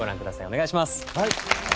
お願いします。